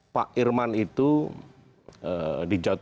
pak irman itu dijatuhkan